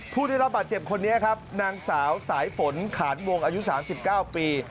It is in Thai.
ผู้ได้รับบาดเจ็บคนนี้ครับนางสาวสายฝนขานวงอายุ๓๙ปี